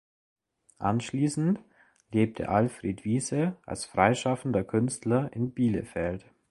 Anschließend lebte Alfred Wiese als freischaffender Künstler in Bielefeld.